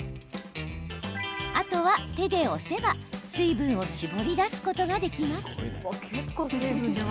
あとは手で押せば水分を絞り出すことができます。